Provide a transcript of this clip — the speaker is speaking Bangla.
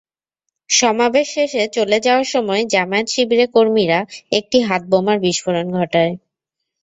সমাবেশ শেষে চলে যাওয়ার সময় জামায়াত-শিবিরে কর্মীরা একটি হাতবোমার বিস্ফোরণ ঘটায়।